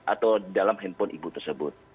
kami mencoba mencari data terkait pinjol pinjol tersebut